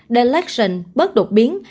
the election bớt đột biến